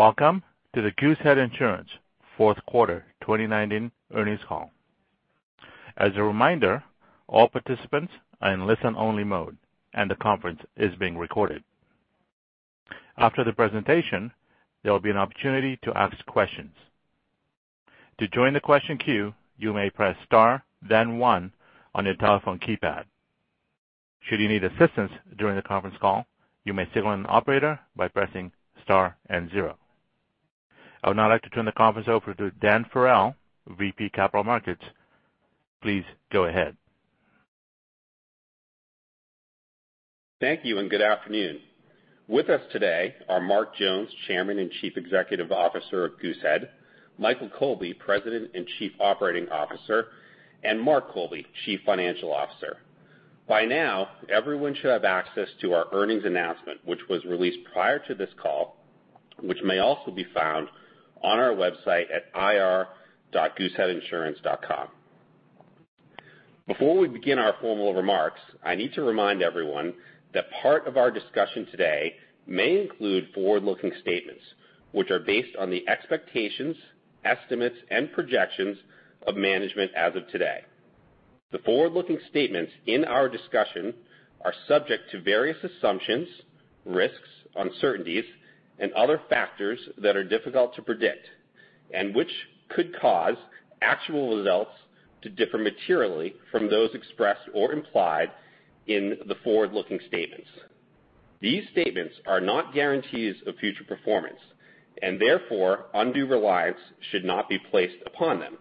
Welcome to the Goosehead Insurance fourth quarter 2019 earnings call. As a reminder, all participants are in listen only mode and the conference is being recorded. After the presentation, there will be an opportunity to ask questions. To join the question queue, you may press star then one on your telephone keypad. Should you need assistance during the conference call, you may signal an operator by pressing star and zero. I would now like to turn the conference over to Dan Farrell, VP Capital Markets. Please go ahead. Thank you and good afternoon. With us today are Mark Jones, Chairman and Chief Executive Officer of Goosehead, Michael Colby, President and Chief Operating Officer, and Mark Colby, Chief Financial Officer. By now, everyone should have access to our earnings announcement, which was released prior to this call, which may also be found on our website at ir.gooseheadinsurance.com. Before we begin our formal remarks, I need to remind everyone that part of our discussion today may include forward-looking statements which are based on the expectations, estimates, and projections of management as of today. The forward-looking statements in our discussion are subject to various assumptions, risks, uncertainties, and other factors that are difficult to predict, and which could cause actual results to differ materially from those expressed or implied in the forward-looking statements. These statements are not guarantees of future performance and therefore undue reliance should not be placed upon them.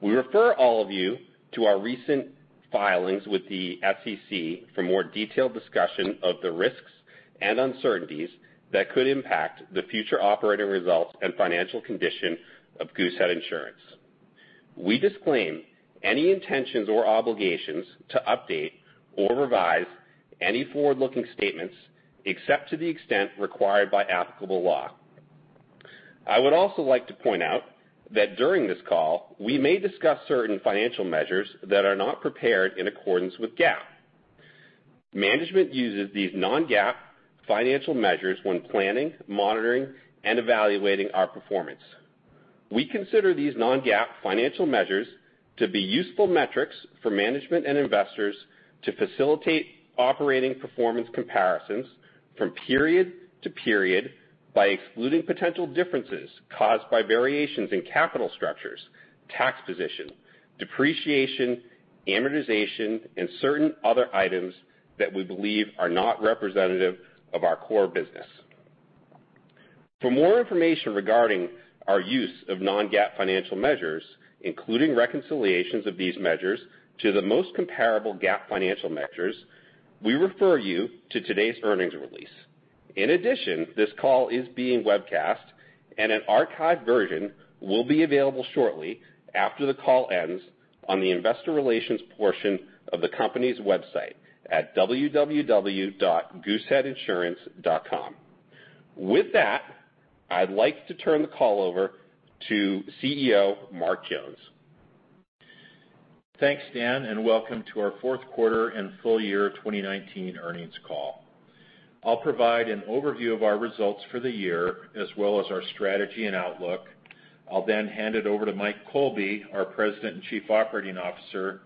We refer all of you to our recent filings with the SEC for more detailed discussion of the risks and uncertainties that could impact the future operating results and financial condition of Goosehead Insurance. We disclaim any intentions or obligations to update or revise any forward-looking statements, except to the extent required by applicable law. I would also like to point out that during this call, we may discuss certain financial measures that are not prepared in accordance with GAAP. Management uses these non-GAAP financial measures when planning, monitoring, and evaluating our performance. We consider these non-GAAP financial measures to be useful metrics for management and investors to facilitate operating performance comparisons from period to period by excluding potential differences caused by variations in capital structures, tax position, depreciation, amortization, and certain other items that we believe are not representative of our core business. For more information regarding our use of non-GAAP financial measures, including reconciliations of these measures to the most comparable GAAP financial measures, we refer you to today's earnings release. In addition, this call is being webcast and an archived version will be available shortly after the call ends on the investor relations portion of the company's website at www.gooseheadinsurance.com. With that, I'd like to turn the call over to CEO Mark Jones. Thanks, Dan. Welcome to our fourth quarter and full year 2019 earnings call. I'll provide an overview of our results for the year as well as our strategy and outlook. I'll then hand it over to Mike Colby, our President and Chief Operating Officer,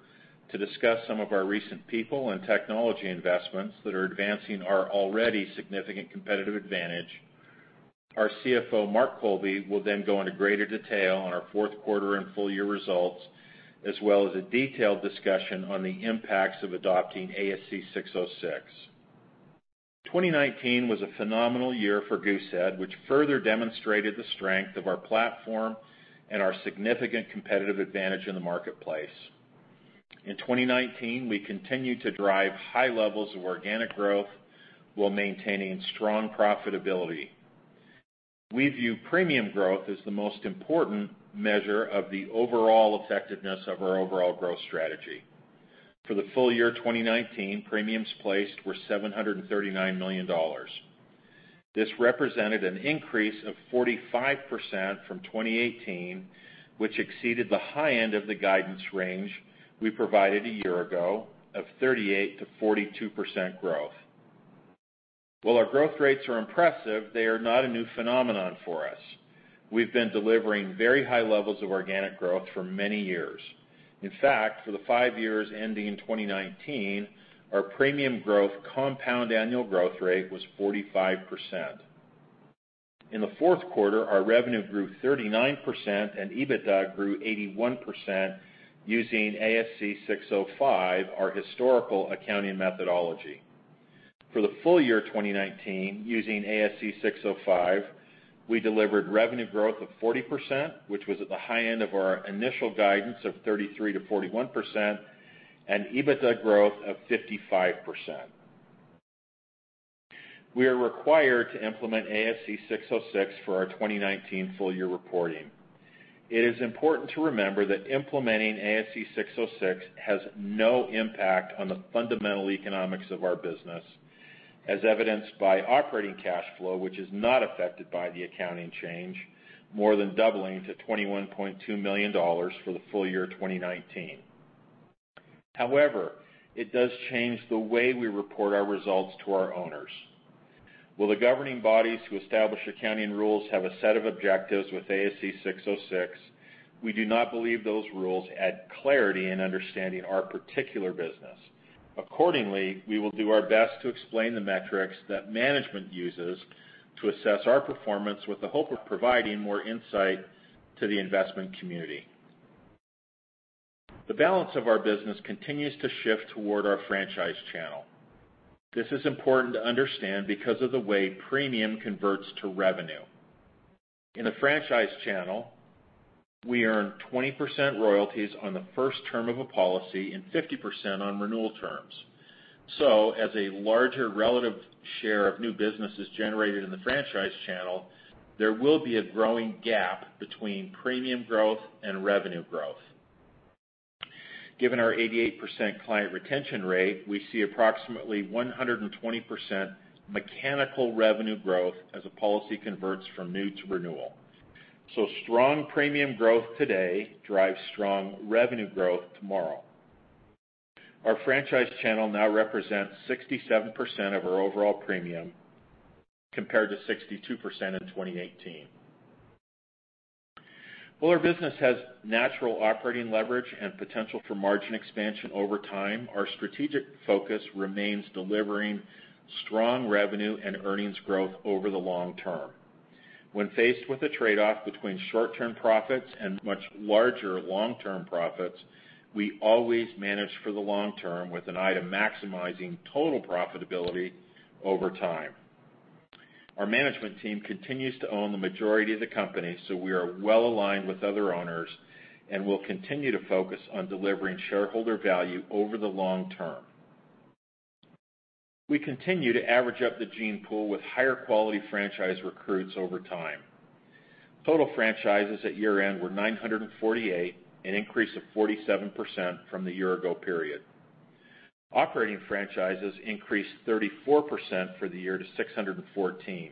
to discuss some of our recent people and technology investments that are advancing our already significant competitive advantage. Our CFO, Mark Colby, will then go into greater detail on our fourth quarter and full year results, as well as a detailed discussion on the impacts of adopting ASC 606. 2019 was a phenomenal year for Goosehead, which further demonstrated the strength of our platform and our significant competitive advantage in the marketplace. In 2019, we continued to drive high levels of organic growth while maintaining strong profitability. We view premium growth as the most important measure of the overall effectiveness of our overall growth strategy. For the full year 2019, premiums placed were $739 million. This represented an increase of 45% from 2018, which exceeded the high end of the guidance range we provided a year ago of 38%-42% growth. While our growth rates are impressive, they are not a new phenomenon for us. We've been delivering very high levels of organic growth for many years. In fact, for the five years ending in 2019, our premium growth compound annual growth rate was 45%. In the fourth quarter, our revenue grew 39% and EBITDA grew 81% using ASC 605, our historical accounting methodology. For the full year 2019, using ASC 605, we delivered revenue growth of 40%, which was at the high end of our initial guidance of 33%-41%, and EBITDA growth of 55%. We are required to implement ASC 606 for our 2019 full year reporting. It is important to remember that implementing ASC 606 has no impact on the fundamental economics of our business, as evidenced by operating cash flow, which is not affected by the accounting change, more than doubling to $21.2 million for the full year 2019. It does change the way we report our results to our owners. While the governing bodies who establish accounting rules have a set of objectives with ASC 606, we do not believe those rules add clarity in understanding our particular business. We will do our best to explain the metrics that management uses to assess our performance with the hope of providing more insight to the investment community. The balance of our business continues to shift toward our franchise channel. This is important to understand because of the way premium converts to revenue. In the franchise channel, we earn 20% royalties on the first term of a policy and 50% on renewal terms. As a larger relative share of new business is generated in the franchise channel, there will be a growing gap between premium growth and revenue growth. Given our 88% client retention rate, we see approximately 120% mechanical revenue growth as a policy converts from new to renewal. Strong premium growth today drives strong revenue growth tomorrow. Our franchise channel now represents 67% of our overall premium, compared to 62% in 2018. While our business has natural operating leverage and potential for margin expansion over time, our strategic focus remains delivering strong revenue and earnings growth over the long term. When faced with a trade-off between short-term profits and much larger long-term profits, we always manage for the long term with an eye to maximizing total profitability over time. Our management team continues to own the majority of the company. We are well-aligned with other owners and will continue to focus on delivering shareholder value over the long term. We continue to average up the gene pool with higher quality franchise recruits over time. Total franchises at year-end were 948, an increase of 47% from the year-ago period. Operating franchises increased 34% for the year to 614.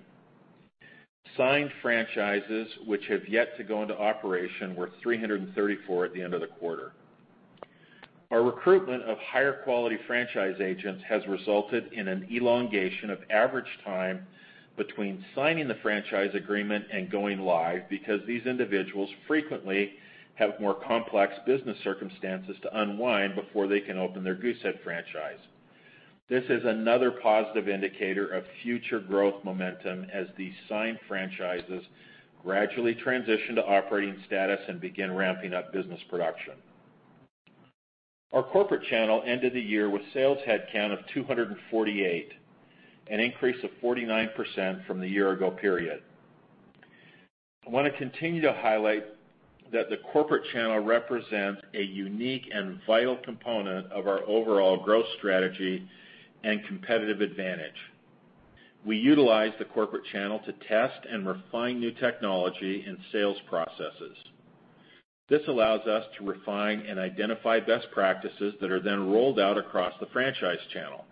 Signed franchises which have yet to go into operation were 334 at the end of the quarter. Our recruitment of higher quality franchise agents has resulted in an elongation of average time between signing the franchise agreement and going live because these individuals frequently have more complex business circumstances to unwind before they can open their Goosehead franchise. This is another positive indicator of future growth momentum as these signed franchises gradually transition to operating status and begin ramping up business production. Our corporate channel ended the year with sales headcount of 248, an increase of 49% from the year-ago period. I want to continue to highlight that the corporate channel represents a unique and vital component of our overall growth strategy and competitive advantage. We utilize the corporate channel to test and refine new technology and sales processes. This allows us to refine and identify best practices that are then rolled out across the franchise channel.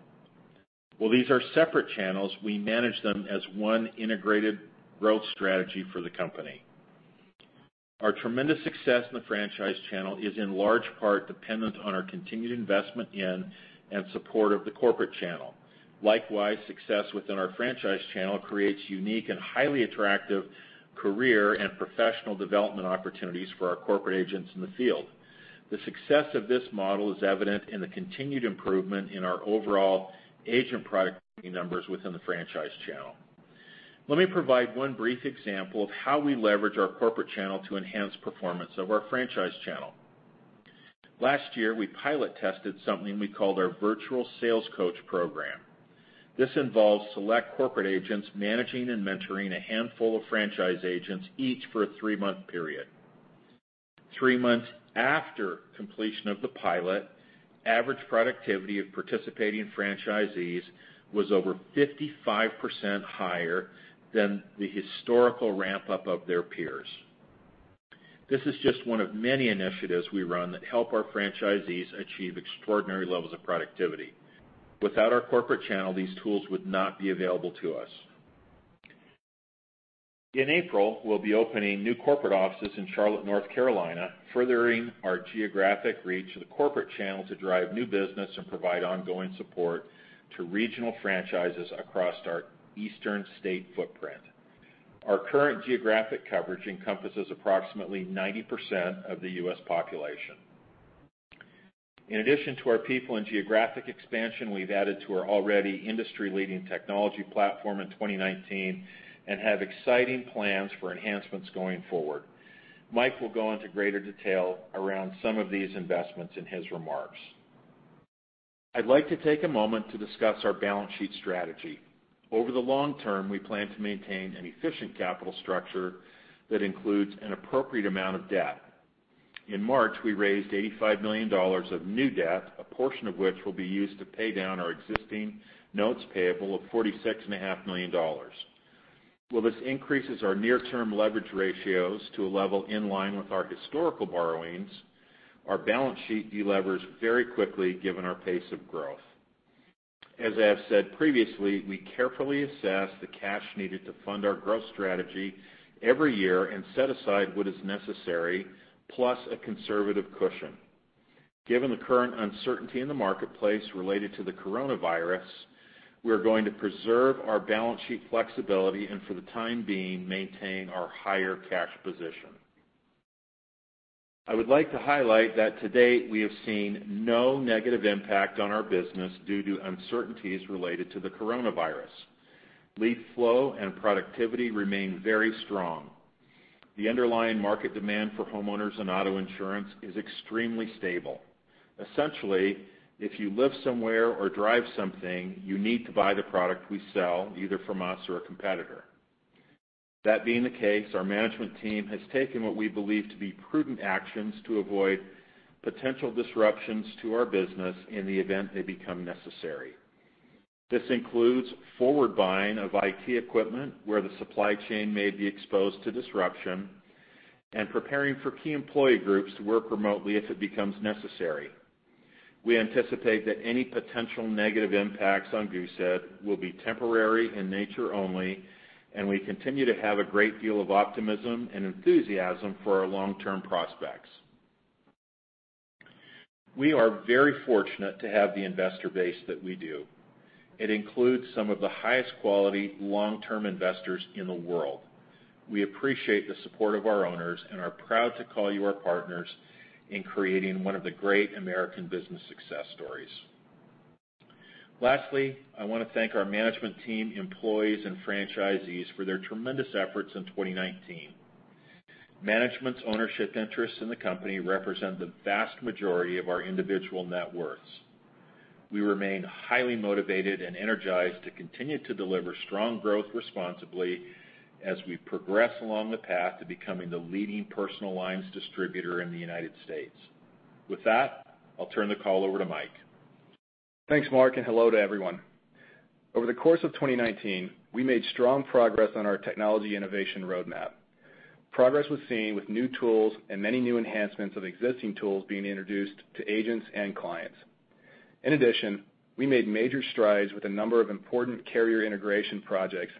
These are separate channels, we manage them as one integrated growth strategy for the company. Our tremendous success in the franchise channel is in large part dependent on our continued investment in and support of the corporate channel. Success within our franchise channel creates unique and highly attractive career and professional development opportunities for our corporate agents in the field. The success of this model is evident in the continued improvement in our overall agent productivity numbers within the franchise channel. Let me provide one brief example of how we leverage our corporate channel to enhance performance of our franchise channel. Last year, we pilot tested something we called our Virtual Sales Coach program. This involves select corporate agents managing and mentoring a handful of franchise agents, each for a three-month period. Three months after completion of the pilot, average productivity of participating franchisees was over 55% higher than the historical ramp-up of their peers. This is just one of many initiatives we run that help our franchisees achieve extraordinary levels of productivity. Without our corporate channel, these tools would not be available to us. In April, we'll be opening new corporate offices in Charlotte, North Carolina, furthering our geographic reach of the corporate channel to drive new business and provide ongoing support to regional franchises across our eastern state footprint. Our current geographic coverage encompasses approximately 90% of the U.S. population. In addition to our people and geographic expansion, we've added to our already industry-leading technology platform in 2019 and have exciting plans for enhancements going forward. Mike will go into greater detail around some of these investments in his remarks. I'd like to take a moment to discuss our balance sheet strategy. Over the long term, we plan to maintain an efficient capital structure that includes an appropriate amount of debt. In March, we raised $85 million of new debt, a portion of which will be used to pay down our existing notes payable of $46.5 million. While this increases our near-term leverage ratios to a level in line with our historical borrowings, our balance sheet delevers very quickly given our pace of growth. As I have said previously, we carefully assess the cash needed to fund our growth strategy every year and set aside what is necessary plus a conservative cushion. Given the current uncertainty in the marketplace related to the coronavirus, we're going to preserve our balance sheet flexibility, and for the time being, maintain our higher cash position. I would like to highlight that to date, we have seen no negative impact on our business due to uncertainties related to the coronavirus. Lead flow and productivity remain very strong. The underlying market demand for homeowners and auto insurance is extremely stable. Essentially, if you live somewhere or drive something, you need to buy the product we sell either from us or a competitor. That being the case, our management team has taken what we believe to be prudent actions to avoid potential disruptions to our business in the event they become necessary. This includes forward buying of IT equipment where the supply chain may be exposed to disruption and preparing for key employee groups to work remotely if it becomes necessary. We anticipate that any potential negative impacts on Goosehead will be temporary in nature only, and we continue to have a great deal of optimism and enthusiasm for our long-term prospects. We are very fortunate to have the investor base that we do. It includes some of the highest quality long-term investors in the world. We appreciate the support of our owners and are proud to call you our partners in creating one of the great American business success stories. Lastly, I want to thank our management team, employees, and franchisees for their tremendous efforts in 2019. Management's ownership interest in the company represent the vast majority of our individual net worths. We remain highly motivated and energized to continue to deliver strong growth responsibly as we progress along the path to becoming the leading personal lines distributor in the United States. With that, I'll turn the call over to Mike. Thanks, Mark, and hello to everyone. Over the course of 2019, we made strong progress on our technology innovation roadmap. Progress was seen with new tools and many new enhancements of existing tools being introduced to agents and clients. In addition, we made major strides with a number of important carrier integration projects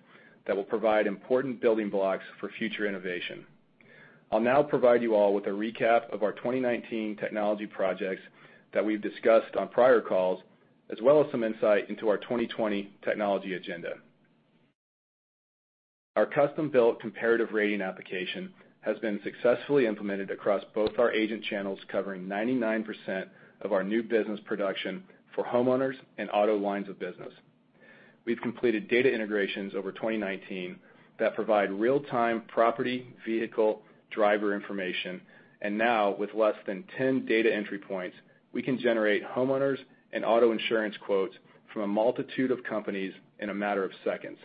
that will provide important building blocks for future innovation. I'll now provide you all with a recap of our 2019 technology projects that we've discussed on prior calls, as well as some insight into our 2020 technology agenda. Our custom-built comparative rating application has been successfully implemented across both our agent channels, covering 99% of our new business production for homeowners and auto lines of business. We've completed data integrations over 2019 that provide real-time property, vehicle, driver information. Now with less than 10 data entry points, we can generate homeowners and auto insurance quotes from a multitude of companies in a matter of seconds.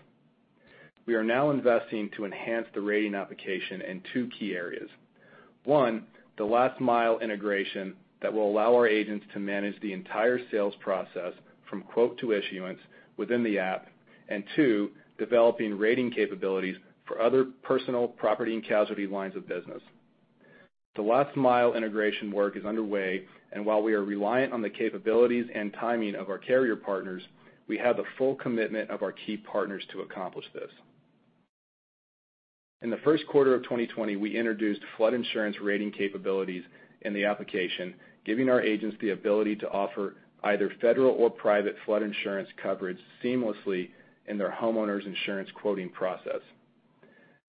We are now investing to enhance the rating application in two key areas. One, the last-mile integration that will allow our agents to manage the entire sales process from quote to issuance within the app. Two, developing rating capabilities for other personal property and casualty lines of business. The last-mile integration work is underway, and while we are reliant on the capabilities and timing of our carrier partners, we have the full commitment of our key partners to accomplish this. In the first quarter of 2020, we introduced flood insurance rating capabilities in the application, giving our agents the ability to offer either federal or private flood insurance coverage seamlessly in their homeowners' insurance quoting process.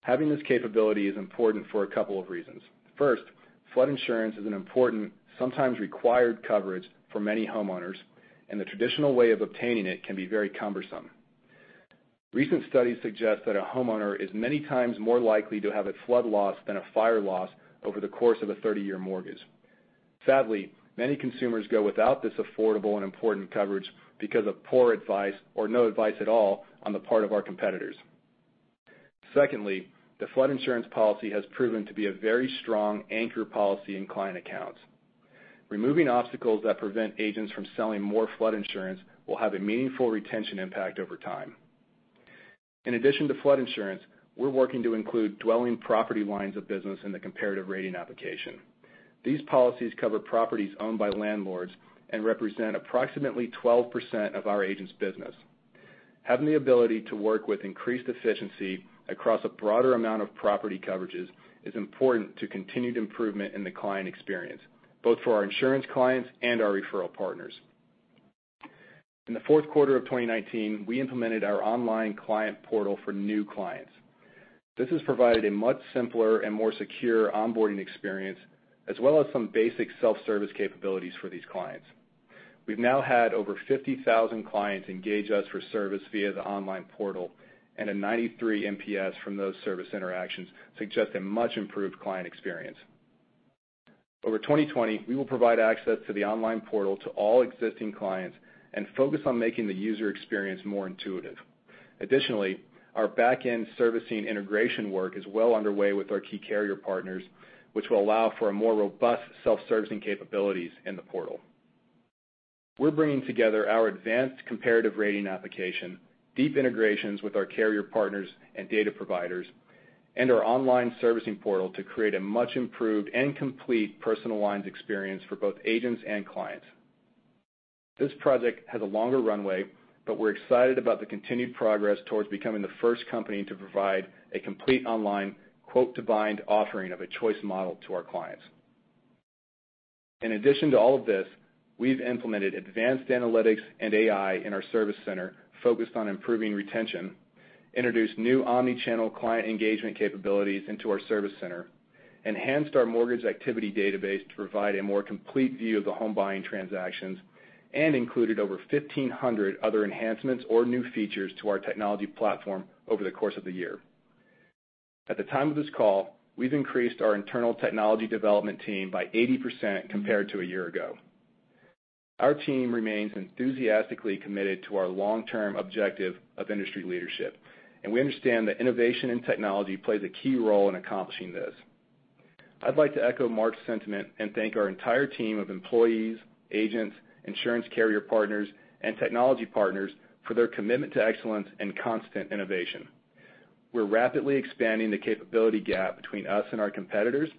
Having this capability is important for a couple of reasons. First, flood insurance is an important, sometimes required coverage for many homeowners, and the traditional way of obtaining it can be very cumbersome. Recent studies suggest that a homeowner is many times more likely to have a flood loss than a fire loss over the course of a 30-year mortgage. Sadly, many consumers go without this affordable and important coverage because of poor advice or no advice at all on the part of our competitors. Secondly, the flood insurance policy has proven to be a very strong anchor policy in client accounts. Removing obstacles that prevent agents from selling more flood insurance will have a meaningful retention impact over time. In addition to flood insurance, we're working to include dwelling property lines of business in the comparative rating application. These policies cover properties owned by landlords and represent approximately 12% of our agents' business. Having the ability to work with increased efficiency across a broader amount of property coverages is important to continued improvement in the client experience, both for our insurance clients and our referral partners. In the fourth quarter of 2019, we implemented our online client portal for new clients. This has provided a much simpler and more secure onboarding experience, as well as some basic self-service capabilities for these clients. We've now had over 50,000 clients engage us for service via the online portal, and a 93 NPS from those service interactions suggest a much improved client experience. Over 2020, we will provide access to the online portal to all existing clients and focus on making the user experience more intuitive. Additionally, our back-end servicing integration work is well underway with our key carrier partners, which will allow for a more robust self-servicing capabilities in the portal. We're bringing together our advanced comparative rating application, deep integrations with our carrier partners and data providers, and our online servicing portal to create a much improved and complete personal lines experience for both agents and clients. This project has a longer runway, but we're excited about the continued progress towards becoming the first company to provide a complete online quote-to-bind offering of a choice model to our clients. In addition to all of this, we've implemented advanced analytics and AI in our service center focused on improving retention, introduced new omni-channel client engagement capabilities into our service center, enhanced our mortgage activity database to provide a more complete view of the home buying transactions, and included over 1,500 other enhancements or new features to our technology platform over the course of the year. At the time of this call, we've increased our internal technology development team by 80% compared to a year ago. Our team remains enthusiastically committed to our long-term objective of industry leadership, and we understand that innovation in technology plays a key role in accomplishing this. I'd like to echo Mark's sentiment and thank our entire team of employees, agents, insurance carrier partners, and technology partners for their commitment to excellence and constant innovation. We're rapidly expanding the capability gap between us and our competitors.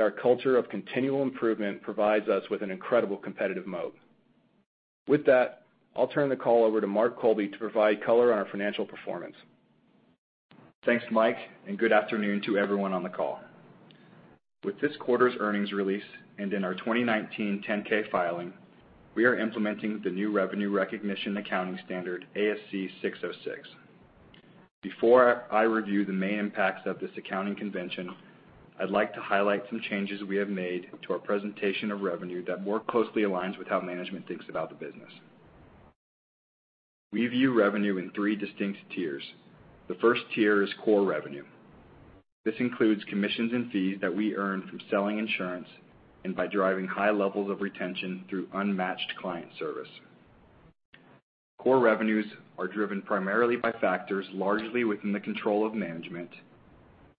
Our culture of continual improvement provides us with an incredible competitive moat. With that, I'll turn the call over to Mark Colby to provide color on our financial performance. Thanks, Mike. Good afternoon to everyone on the call. With this quarter's earnings release and in our 2019 10-K filing, we are implementing the new revenue recognition accounting standard, ASC 606. Before I review the main impacts of this accounting convention, I'd like to highlight some changes we have made to our presentation of revenue that more closely aligns with how management thinks about the business. We view revenue in 3 distinct tiers. The first tier is core revenue. This includes commissions and fees that we earn from selling insurance and by driving high levels of retention through unmatched client service. Core revenues are driven primarily by factors largely within the control of management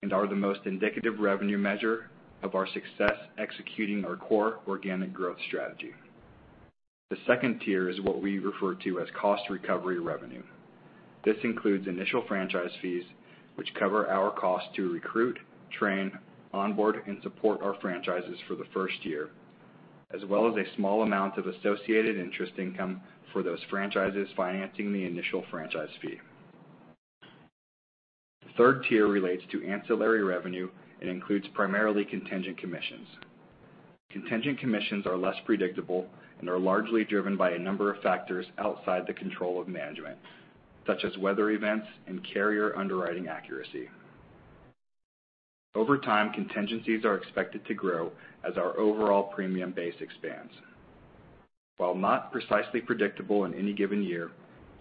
and are the most indicative revenue measure of our success executing our core organic growth strategy. The second tier is what we refer to as cost recovery revenue. This includes initial franchise fees, which cover our cost to recruit, train, onboard, and support our franchises for the first year, as well as a small amount of associated interest income for those franchises financing the initial franchise fee. The third tier relates to ancillary revenue and includes primarily contingent commissions. Contingent commissions are less predictable and are largely driven by a number of factors outside the control of management, such as weather events and carrier underwriting accuracy. Over time, contingencies are expected to grow as our overall premium base expands. While not precisely predictable in any given year,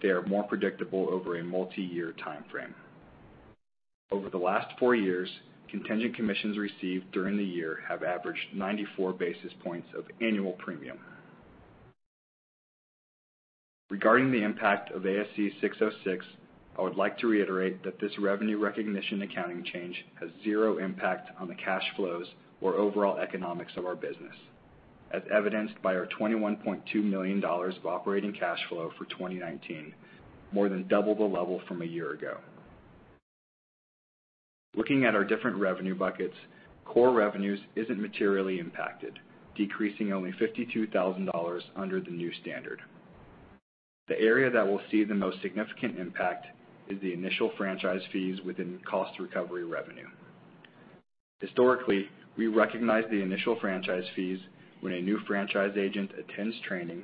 they are more predictable over a multi-year timeframe. Over the last four years, contingent commissions received during the year have averaged 94 basis points of annual premium. Regarding the impact of ASC 606, I would like to reiterate that this revenue recognition accounting change has zero impact on the cash flows or overall economics of our business, as evidenced by our $21.2 million of operating cash flow for 2019, more than double the level from a year ago. Looking at our different revenue buckets, core revenues isn't materially impacted, decreasing only $52,000 under the new standard. The area that will see the most significant impact is the initial franchise fees within cost recovery revenue. Historically, we recognize the initial franchise fees when a new franchise agent attends training,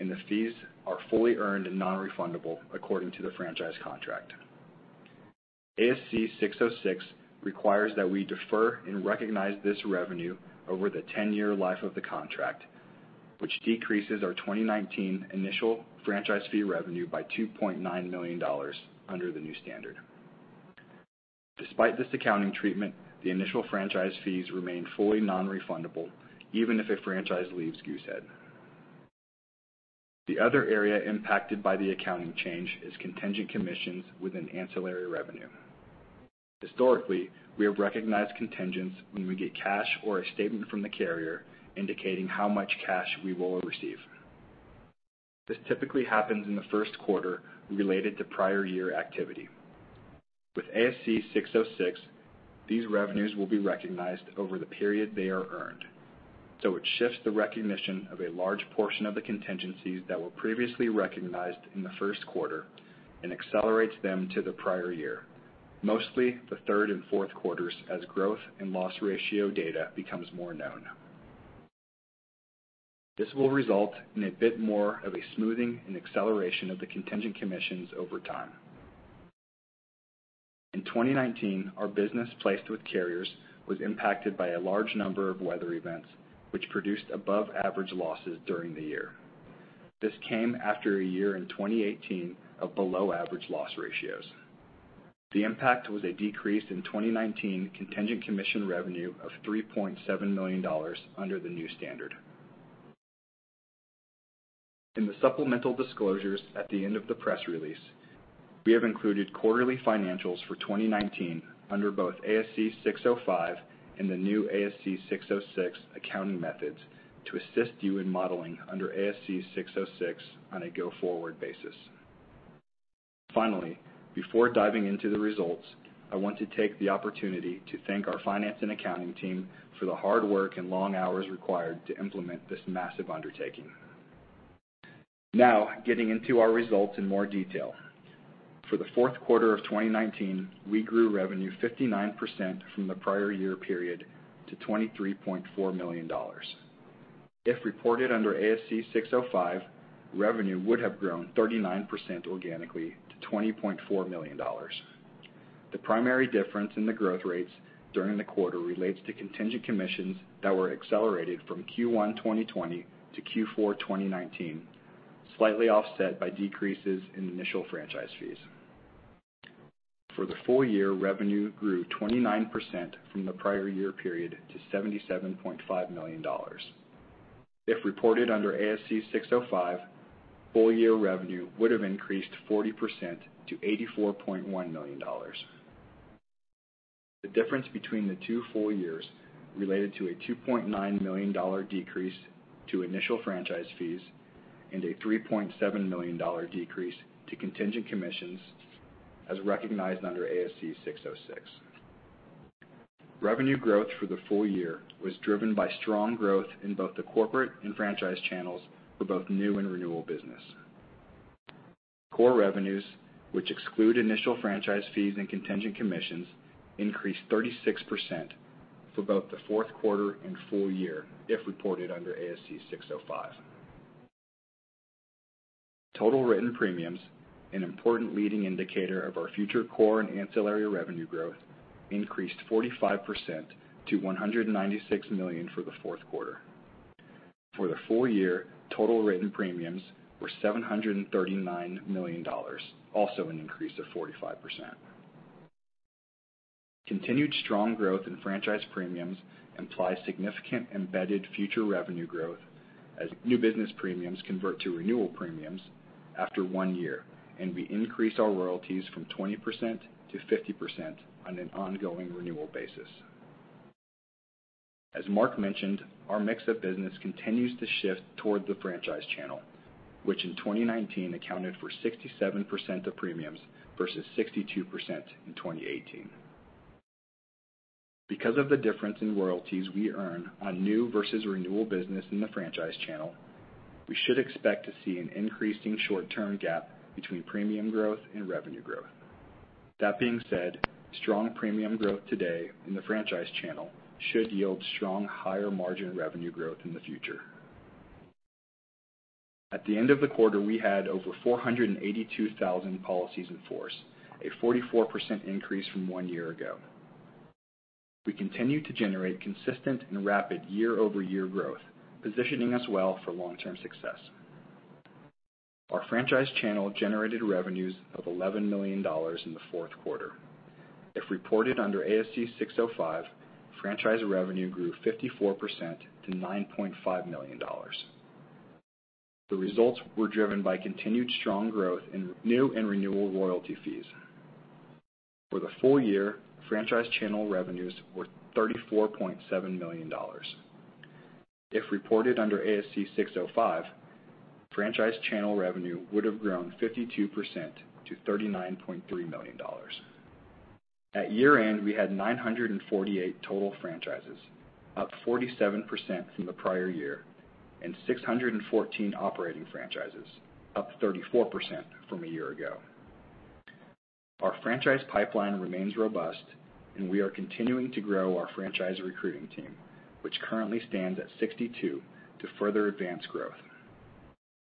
and the fees are fully earned and non-refundable according to the franchise contract. ASC 606 requires that we defer and recognize this revenue over the 10-year life of the contract, which decreases our 2019 initial franchise fee revenue by $2.9 million under the new standard. Despite this accounting treatment, the initial franchise fees remain fully non-refundable, even if a franchise leaves Goosehead. The other area impacted by the accounting change is contingent commissions within ancillary revenue. Historically, we have recognized contingents when we get cash or a statement from the carrier indicating how much cash we will receive. This typically happens in the first quarter related to prior year activity. With ASC 606, these revenues will be recognized over the period they are earned, it shifts the recognition of a large portion of the contingencies that were previously recognized in the first quarter and accelerates them to the prior year, mostly the third and fourth quarters, as growth and loss ratio data becomes more known. This will result in a bit more of a smoothing and acceleration of the contingent commissions over time. In 2019, our business placed with carriers was impacted by a large number of weather events, which produced above average losses during the year. This came after a year in 2018 of below average loss ratios. The impact was a decrease in 2019 contingent commission revenue of $3.7 million under the new standard. In the supplemental disclosures at the end of the press release, we have included quarterly financials for 2019 under both ASC 605 and the new ASC 606 accounting methods to assist you in modeling under ASC 606 on a go-forward basis. Finally, before diving into the results, I want to take the opportunity to thank our finance and accounting team for the hard work and long hours required to implement this massive undertaking. Now, getting into our results in more detail. For the fourth quarter of 2019, we grew revenue 59% from the prior year period to $23.4 million. If reported under ASC 605, revenue would have grown 39% organically to $20.4 million. The primary difference in the growth rates during the quarter relates to contingent commissions that were accelerated from Q1 2020 to Q4 2019, slightly offset by decreases in initial franchise fees. For the full year, revenue grew 29% from the prior year period to $77.5 million. If reported under ASC 605, full-year revenue would have increased 40% to $84.1 million. The difference between the two full years related to a $2.9 million decrease to initial franchise fees and a $3.7 million decrease to contingent commissions, as recognized under ASC 606. Revenue growth for the full year was driven by strong growth in both the corporate and franchise channels for both new and renewal business. Core revenues, which exclude initial franchise fees and contingent commissions, increased 36% for both the fourth quarter and full year, if reported under ASC 605. Total written premiums, an important leading indicator of our future core and ancillary revenue growth, increased 45% to $196 million for the fourth quarter. For the full year, total written premiums were $739 million, also an increase of 45%. Continued strong growth in franchise premiums implies significant embedded future revenue growth as new business premiums convert to renewal premiums after one year, and we increase our royalties from 20% to 50% on an ongoing renewal basis. As Mark mentioned, our mix of business continues to shift toward the franchise channel, which in 2019 accounted for 67% of premiums versus 62% in 2018. Because of the difference in royalties we earn on new versus renewal business in the franchise channel, we should expect to see an increasing short-term gap between premium growth and revenue growth. That being said, strong premium growth today in the franchise channel should yield strong, higher margin revenue growth in the future. At the end of the quarter, we had over 482,000 policies in force, a 44% increase from one year ago. We continue to generate consistent and rapid year-over-year growth, positioning us well for long-term success. Our franchise channel generated revenues of $11 million in the fourth quarter. If reported under ASC 605, franchise revenue grew 54% to $9.5 million. The results were driven by continued strong growth in new and renewal royalty fees. For the full year, franchise channel revenues were $34.7 million. If reported under ASC 605, franchise channel revenue would have grown 52% to $39.3 million. At year-end, we had 948 total franchises, up 47% from the prior year, and 614 operating franchises, up 34% from a year ago. Our franchise pipeline remains robust, we are continuing to grow our franchise recruiting team, which currently stands at 62, to further advance growth.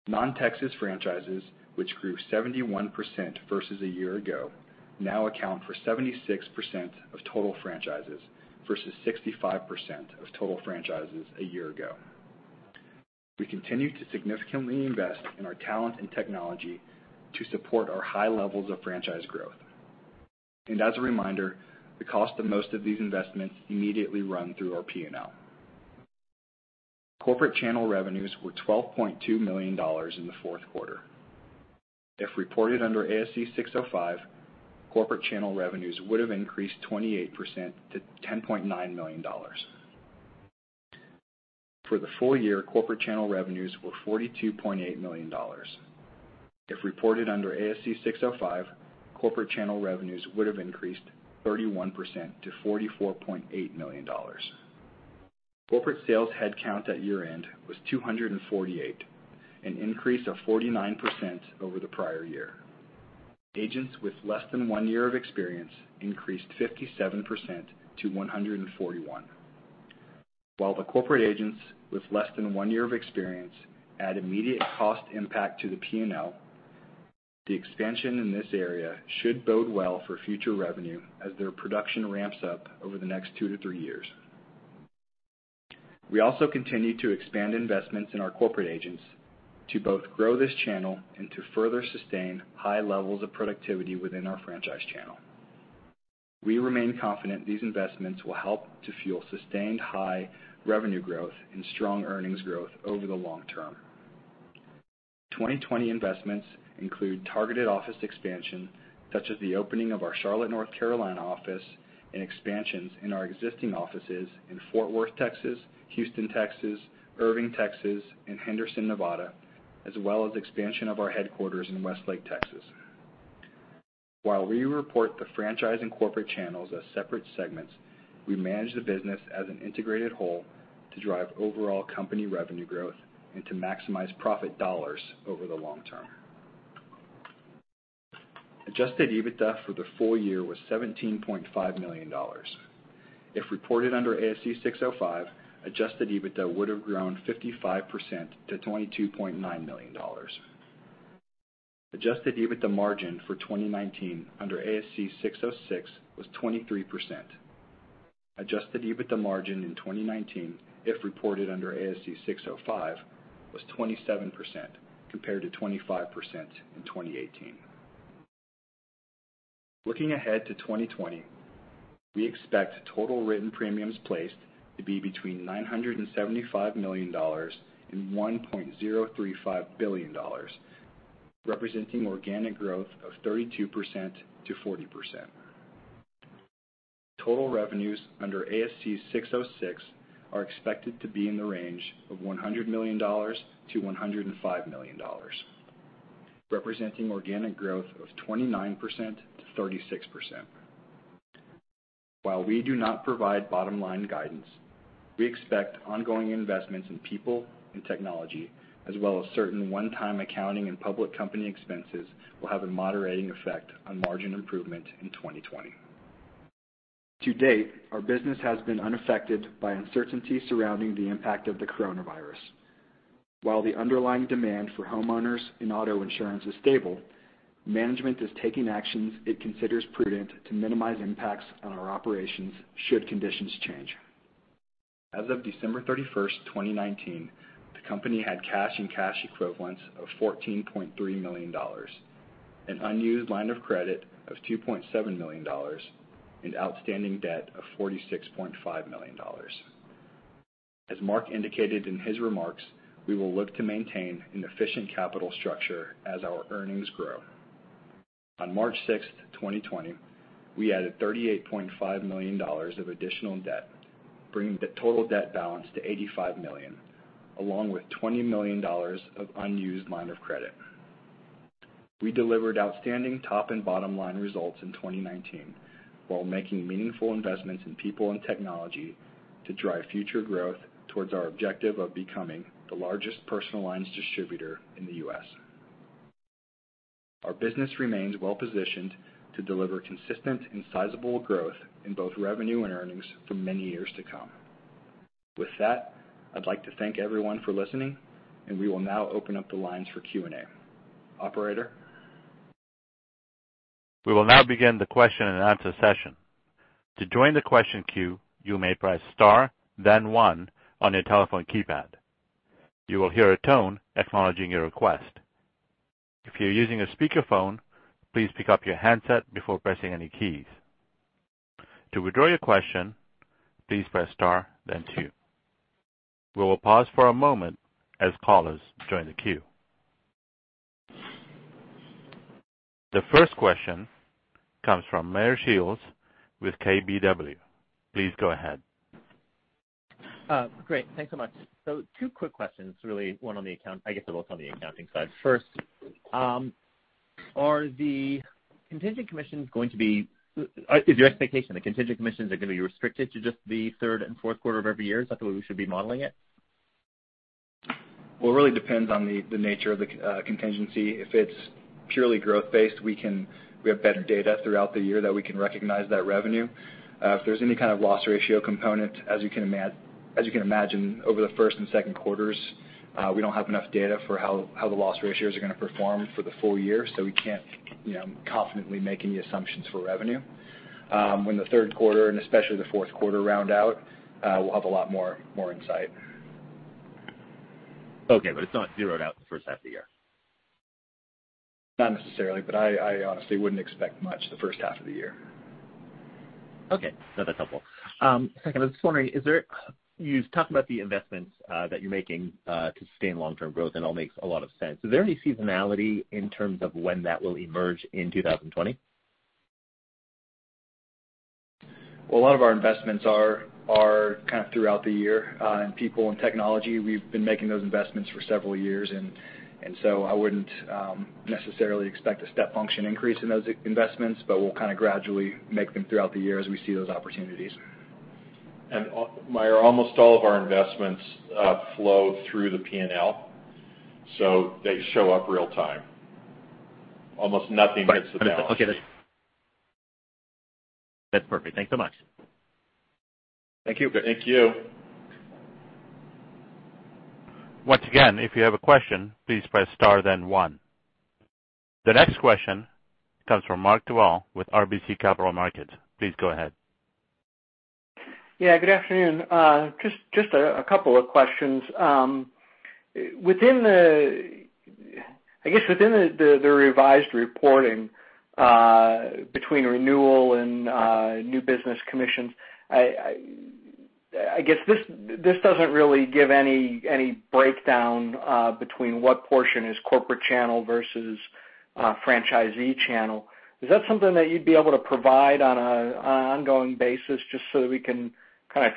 Non-Texas franchises, which grew 71% versus a year ago, now account for 76% of total franchises versus 65% of total franchises a year ago. We continue to significantly invest in our talent and technology to support our high levels of franchise growth. As a reminder, the cost of most of these investments immediately run through our P&L. Corporate channel revenues were $12.2 million in the fourth quarter. If reported under ASC 605, corporate channel revenues would have increased 28% to $10.9 million. For the full year, corporate channel revenues were $42.8 million. If reported under ASC 605, corporate channel revenues would have increased 31% to $44.8 million. Corporate sales headcount at year-end was 248, an increase of 49% over the prior year. Agents with less than one year of experience increased 57% to 141. While the corporate agents with less than one year of experience add immediate cost impact to the P&L, the expansion in this area should bode well for future revenue as their production ramps up over the next two to three years. We also continue to expand investments in our corporate agents to both grow this channel and to further sustain high levels of productivity within our franchise channel. We remain confident these investments will help to fuel sustained high revenue growth and strong earnings growth over the long term. 2020 investments include targeted office expansion, such as the opening of our Charlotte, North Carolina office and expansions in our existing offices in Fort Worth, Texas, Houston, Texas, Irving, Texas, and Henderson, Nevada, as well as expansion of our headquarters in Westlake, Texas. While we report the franchise and corporate channels as separate segments, we manage the business as an integrated whole to drive overall company revenue growth and to maximize profit dollars over the long term. Adjusted EBITDA for the full year was $17.5 million. If reported under ASC 605, adjusted EBITDA would have grown 55% to $22.9 million. Adjusted EBITDA margin for 2019 under ASC 606 was 23%. Adjusted EBITDA margin in 2019, if reported under ASC 605, was 27%, compared to 25% in 2018. Looking ahead to 2020, we expect total written premiums placed to be between $975 million and $1.035 billion, representing organic growth of 32%-40%. Total revenues under ASC 606 are expected to be in the range of $100 million-$105 million, representing organic growth of 29%-36%. While we do not provide bottom-line guidance, we expect ongoing investments in people and technology, as well as certain one-time accounting and public company expenses will have a moderating effect on margin improvement in 2020. To date, our business has been unaffected by uncertainty surrounding the impact of the coronavirus. While the underlying demand for homeowners and auto insurance is stable, management is taking actions it considers prudent to minimize impacts on our operations should conditions change. As of December 31st, 2019, the company had cash and cash equivalents of $14.3 million, an unused line of credit of $2.7 million, and outstanding debt of $46.5 million. As Mark indicated in his remarks, we will look to maintain an efficient capital structure as our earnings grow. On March 6th, 2020, we added $38.5 million of additional debt, bringing the total debt balance to $85 million, along with $20 million of unused line of credit. We delivered outstanding top and bottom line results in 2019, while making meaningful investments in people and technology to drive future growth towards our objective of becoming the largest personal lines distributor in the U.S. Our business remains well-positioned to deliver consistent and sizable growth in both revenue and earnings for many years to come. With that, I'd like to thank everyone for listening, and we will now open up the lines for Q&A. Operator? We will now begin the question and answer session. To join the question queue, you may press star then one on your telephone keypad. You will hear a tone acknowledging your request. If you're using a speakerphone, please pick up your handset before pressing any keys. To withdraw your question, please press star then two. We will pause for a moment as callers join the queue. The first question comes from Meyer Shields with KBW. Please go ahead. Great. Thanks so much. Two quick questions, really, I guess they're both on the accounting side. First, is your expectation the contingent commissions are going to be restricted to just the third and fourth quarter of every year? Is that the way we should be modeling it? Well, it really depends on the nature of the contingency. If it's purely growth-based, we have better data throughout the year that we can recognize that revenue. If there's any kind of loss ratio component, as you can imagine, over the first and second quarters, we don't have enough data for how the loss ratios are going to perform for the full year, so we can't confidently make any assumptions for revenue. When the third quarter and especially the fourth quarter round out, we'll have a lot more insight. Okay. It's not zeroed out in the first half of the year. Not necessarily, but I honestly wouldn't expect much the first half of the year. Okay. No, that's helpful. Second, I was just wondering, you've talked about the investments that you're making to sustain long-term growth, and it all makes a lot of sense. Is there any seasonality in terms of when that will emerge in 2020? Well, a lot of our investments are kind of throughout the year. In people and technology, we've been making those investments for several years. I wouldn't necessarily expect a step function increase in those investments, but we'll kind of gradually make them throughout the year as we see those opportunities. Meyer, almost all of our investments flow through the P&L. They show up real time. Almost nothing gets balanced. Okay. That's perfect. Thanks so much. Thank you. Thank you. Once again, if you have a question, please press star then one. The next question comes from Mark Miller with RBC Capital Markets. Please go ahead. Yeah, good afternoon. Just a couple of questions. I guess within the revised reporting between renewal and new business commissions, I guess this doesn't really give any breakdown between what portion is corporate channel versus franchisee channel. Is that something that you'd be able to provide on an ongoing basis just so that we can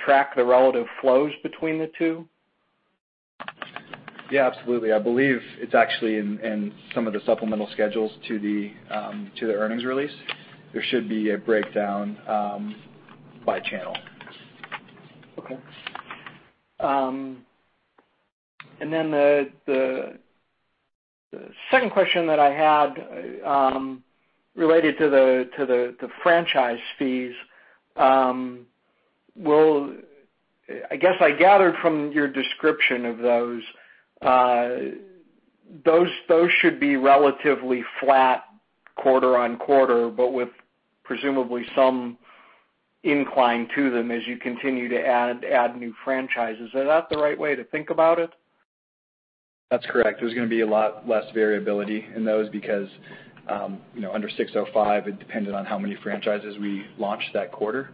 track the relative flows between the two? Yeah, absolutely. I believe it's actually in some of the supplemental schedules to the earnings release. There should be a breakdown by channel. Okay. The second question that I had related to the franchise fees. I guess I gathered from your description of those should be relatively flat quarter-over-quarter, but with presumably some incline to them as you continue to add new franchises. Is that the right way to think about it? That's correct. There's going to be a lot less variability in those because under 605, it depended on how many franchises we launched that quarter.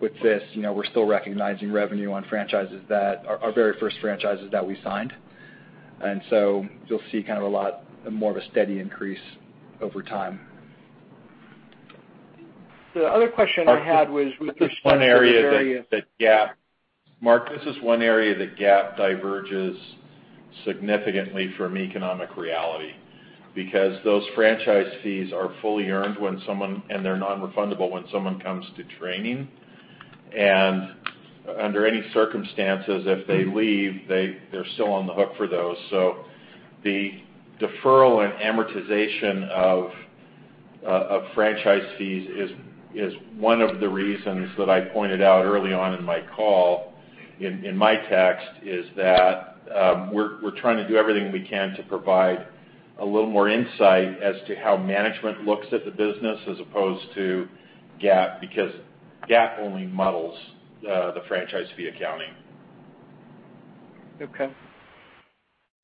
With this, we're still recognizing revenue on our very first franchises that we signed. You'll see a lot more of a steady increase over time. The other question I had was with- Mark, this is one area that GAAP diverges significantly from economic reality because those franchise fees are fully earned and they're non-refundable when someone comes to training. Under any circumstances, if they leave, they're still on the hook for those. The deferral and amortization of franchise fees is one of the reasons that I pointed out early on in my call, in my text, is that we're trying to do everything we can to provide a little more insight as to how management looks at the business as opposed to GAAP, because GAAP only models the franchise fee accounting. Okay.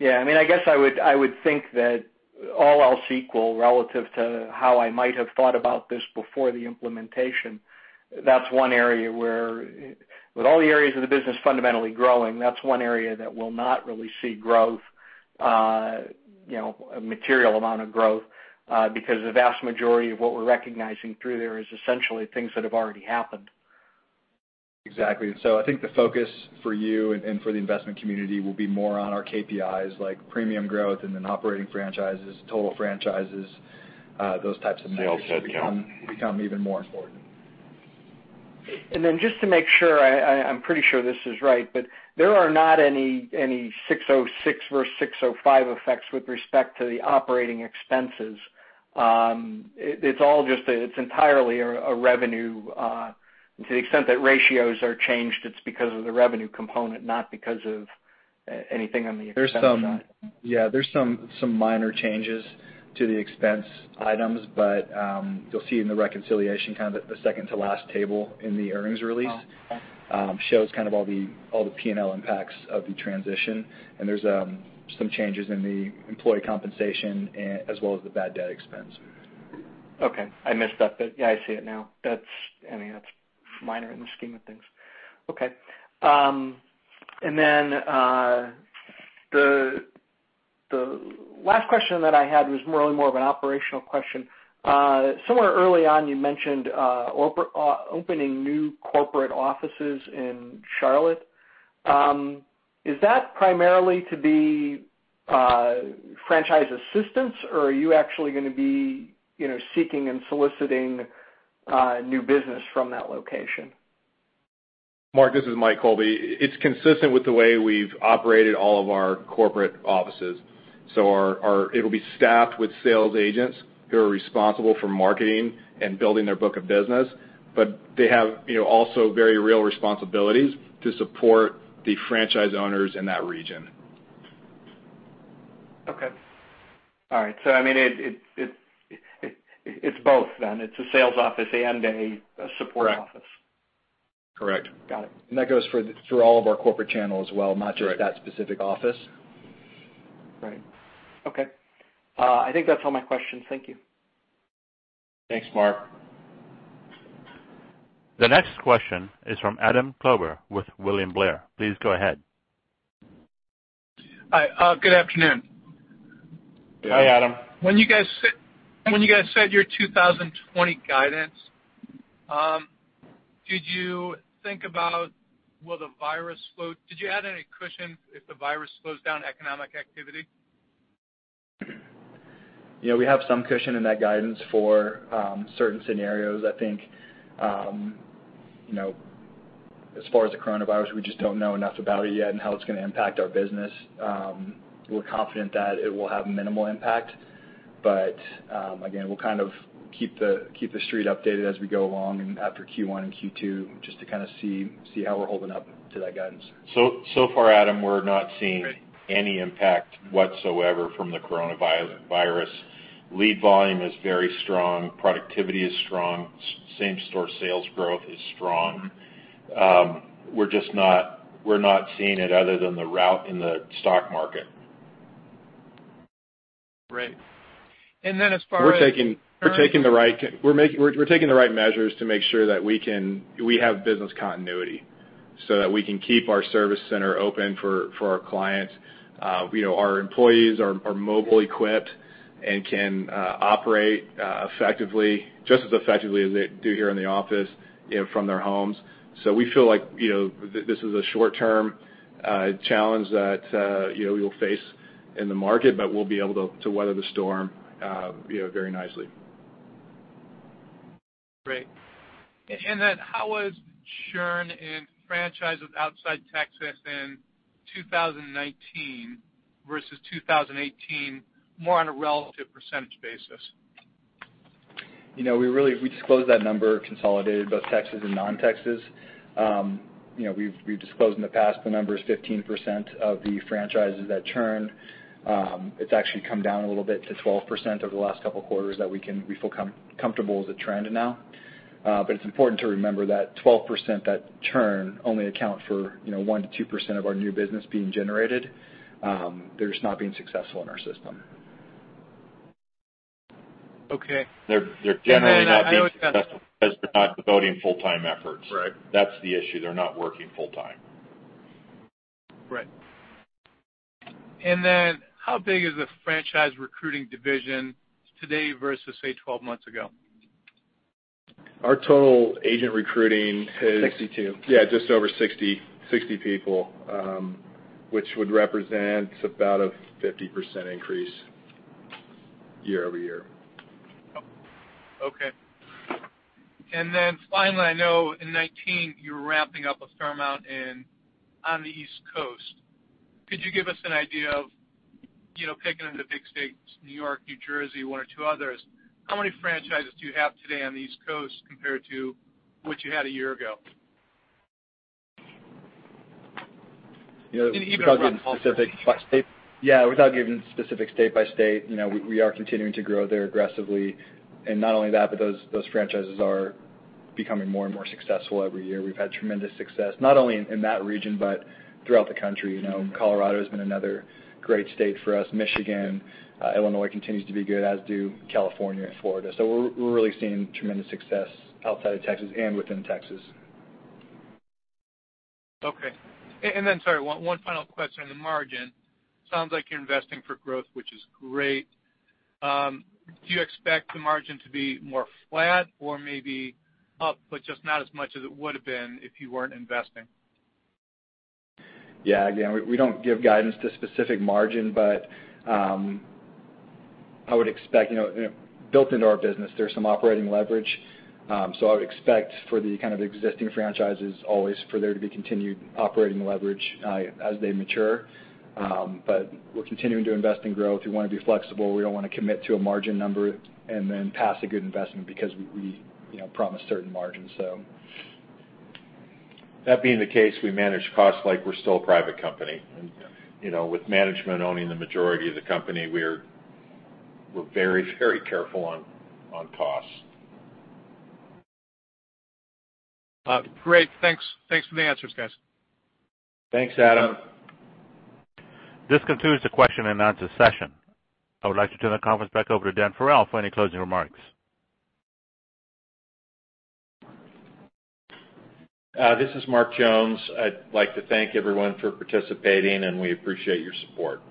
Yeah, I guess I would think that all else equal relative to how I might have thought about this before the implementation. That's one area where with all the areas of the business fundamentally growing, that's one area that will not really see a material amount of growth, because the vast majority of what we're recognizing through there is essentially things that have already happened. Exactly. I think the focus for you and for the investment community will be more on our KPIs like premium growth and then operating franchises, total franchises, those types of measures. Sales headcount become even more important. Just to make sure, I'm pretty sure this is right, but there are not any 606 versus 605 effects with respect to the operating expenses. It's entirely a revenue to the extent that ratios are changed, it's because of the revenue component, not because of anything on the expense side. Yeah, there's some minor changes to the expense items, but you'll see in the reconciliation, the second to last table in the earnings release. Oh, okay. shows all the P&L impacts of the transition, and there's some changes in the employee compensation as well as the bad debt expense. Okay. I missed that, but yeah, I see it now. That's minor in the scheme of things. Okay. The last question that I had was really more of an operational question. Somewhere early on, you mentioned, opening new corporate offices in Charlotte. Is that primarily to be franchise assistance, or are you actually going to be seeking and soliciting new business from that location? Mark, this is Mike Colby. It's consistent with the way we've operated all of our corporate offices. It'll be staffed with sales agents who are responsible for marketing and building their book of business. They have also very real responsibilities to support the franchise owners in that region. Okay. All right. It's both then. It's a sales office and a support office. Correct. Got it. That goes for through all of our corporate channels as well, not just that specific office. Right. Okay. I think that's all my questions. Thank you. Thanks, Mark. The next question is from Adam Klauber with William Blair. Please go ahead. Hi. Good afternoon. Hi, Adam. When you guys set your 2020 guidance, did you think about Did you add any cushion if the virus slows down economic activity? We have some cushion in that guidance for certain scenarios. I think as far as the coronavirus, we just don't know enough about it yet and how it's going to impact our business. We're confident that it will have minimal impact, but, again, we'll kind of keep the Street updated as we go along and after Q1 and Q2, just to kind of see how we're holding up to that guidance. Far, Adam, we're not seeing any impact whatsoever from the coronavirus. Lead volume is very strong, productivity is strong, same store sales growth is strong. We're not seeing it other than the rout in the stock market. Great. As far as. We're taking the right measures to make sure that we have business continuity, so that we can keep our service center open for our clients. Our employees are mobile equipped and can operate effectively, just as effectively as they do here in the office from their homes. We feel like this is a short-term challenge that we will face in the market, but we'll be able to weather the storm very nicely. How was churn in franchises outside Texas in 2019 versus 2018, more on a relative percentage basis? We disclose that number consolidated, both Texas and non-Texas. We've disclosed in the past, the number is 15% of the franchises that churn. It's actually come down a little bit to 12% over the last couple of quarters that we feel comfortable is a trend now. It's important to remember that 12% that churn only account for 1%-2% of our new business being generated. They're just not being successful in our system. Okay. They're generally not being successful because they're not devoting full-time efforts. Right. That's the issue. They're not working full time. Right. How big is the franchise recruiting division today versus, say, 12 months ago? Our total agent recruiting is- 62. Yeah, just over 60 people, which would represent about a 50% increase year-over-year. Okay. Finally, I know in 2019, you were ramping up a fair amount on the East Coast. Could you give us an idea of, picking the big states, New York, New Jersey, one or two others, how many franchises do you have today on the East Coast compared to what you had a year ago? Without giving specific state by state, we are continuing to grow there aggressively. Not only that, but those franchises are becoming more and more successful every year. We've had tremendous success, not only in that region, but throughout the country. Colorado has been another great state for us. Michigan, Illinois continues to be good, as do California and Florida. We're really seeing tremendous success outside of Texas and within Texas. Okay. Then, sorry, one final question on the margin. Sounds like you're investing for growth, which is great. Do you expect the margin to be more flat or maybe up, but just not as much as it would have been if you weren't investing? Yeah. Again, we don't give guidance to specific margin, but I would expect, built into our business, there's some operating leverage. I would expect for the kind of existing franchises always for there to be continued operating leverage as they mature. We're continuing to invest in growth. We want to be flexible. We don't want to commit to a margin number and then pass a good investment because we promise certain margins. That being the case, we manage costs like we're still a private company. With management owning the majority of the company, we're very careful on costs. Great. Thanks for the answers, guys. Thanks, Adam. This concludes the question and answer session. I would like to turn the conference back over to Dan Farrell for any closing remarks. This is Mark Jones. I'd like to thank everyone for participating, and we appreciate your support.